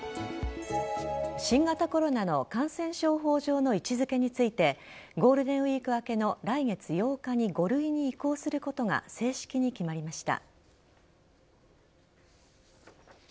新型コロナの感染症法上の位置付けについてゴールデンウィーク明けの来月８日に５類に移行することが正式に決まりました。